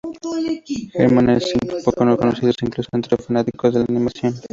Harman e Ising son poco conocidos, incluso entre fanáticos de la animación.